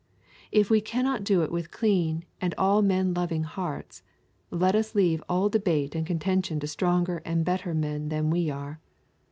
If we cannot do it with clean and all men loving hearts, let us leave all debate and contention to stronger and better men than we are.